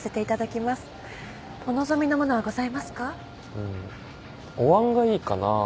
うーんおわんがいいかな。